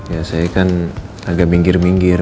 ya saya kan agak minggir minggir